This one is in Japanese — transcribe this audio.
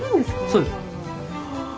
そうです。